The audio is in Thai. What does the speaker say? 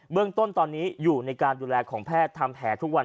เรื่องต้นตอนนี้อยู่ในการดูแลของแพทย์ทำแผลทุกวัน